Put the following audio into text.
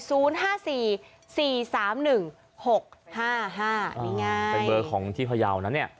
เป็นเบอร์ของที่พะยาวนะเนี่ย